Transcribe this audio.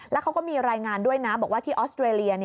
แล้วเขาก็มีรายงานด้วยนะบอกว่าที่ออสเตรเลีย